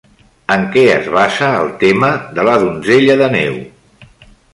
En què es basa el tema de La donzella de neu?